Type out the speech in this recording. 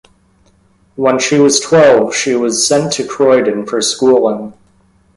When she was twelve she was sent to Croydon for schooling.